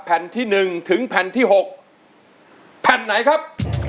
แผ่นที่๑ถึงแผ่นที่๖แผ่นไหนครับ